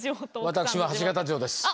私も鉢形城です。